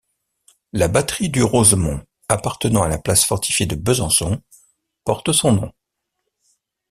La batterie du Rosemont appartenant à la place fortifiée de Besançon, porte son nom.